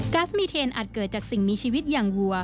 ัสมีเทนอาจเกิดจากสิ่งมีชีวิตอย่างวัว